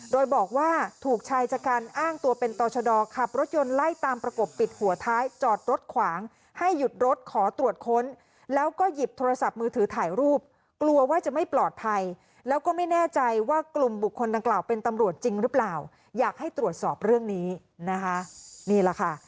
โดยบอกว่าถูกชายชะกันอ้างตัวเป็นต่อชะดอขับรถยนต์ไล่ตามประกบปิดหัวท้ายจอดรถขวางให้หยุดรถขอตรวจค้นแล้วก็หยิบโทรศัพท์มือถือถ่ายรูปกลัวว่าจะไม่ปลอดภัยแล้วก็ไม่แน่ใจว่ากลุ่มบุคคลดังกล่าวเป็นตำรวจจริงหรือเปล่าอยากให้ตรวจสอบเรื่องนี้นะคะนี่แหละค่ะ